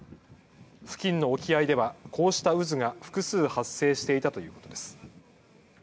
付近の沖合ではこうした渦が複数発生していたということです。